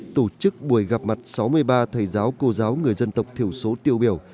tổ chức buổi gặp mặt sáu mươi ba thầy giáo cô giáo người dân tộc thiểu số tiêu biểu